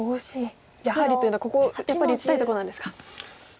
「やはり」というのはここやっぱり打ちたいとこなんですか。